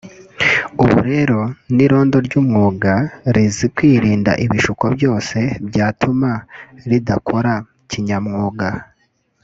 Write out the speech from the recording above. ubu rero ni irondo ry’umwuga rizi kwirinda ibishuko byose byatuma ridakora kinyamwuga